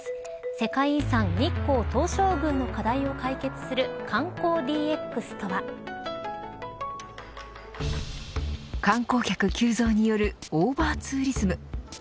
世界遺産、日光東照宮の課題を解決する観光客急増によるオーバーツーリズム。